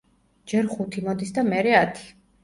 ჯერ ხუთი მოდის და მერე ათი.